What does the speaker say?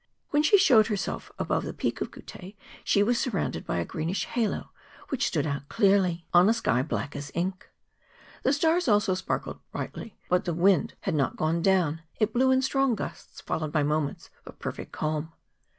When she showed herself above the peak of the Groute, she was sur¬ rounded by a greenish halo which stood out clearly MONT BLANC. 21 on a sky black as ink. The stars also sparkled brightly, but the wind had not gone down: it blew in strong gusts, followed by moments of perfect calm.